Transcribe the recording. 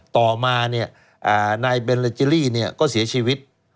ต่อมาเนี่ยนายเบลเลนจิลลี่เนี่ยก็เสียชีวิต